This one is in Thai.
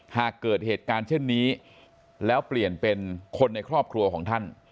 หากเกิดเหตุการณ์เช่นนี้แล้วเปลี่ยนเป็นคนในครอบครัวของท่าน